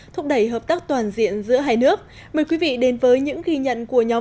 thúc đẩy hợp tác toàn diện giữa hai nước mời quý vị đến với những ghi nhận của nhóm